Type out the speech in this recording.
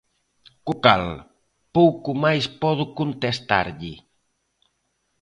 Co cal, pouco máis podo contestarlle.